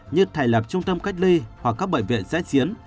như thải lập trung tâm cách ly hoặc các bệnh viện xét chiến